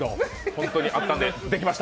本当にあったんで、できました。